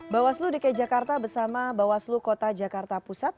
bawaslu dki jakarta bersama bawaslu kota jakarta pusat